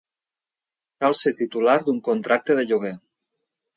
Cal ser titular d'un contracte de lloguer.